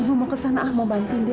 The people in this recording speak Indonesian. ibu mau kesana mau bantuin dia